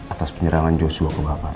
atas penyerangan joshua ke bapak